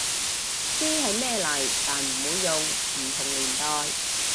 知係咩嚟但唔會用，唔同年代